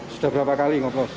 sudah berapa kali ngoplos